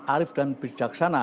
arif dan bijaksana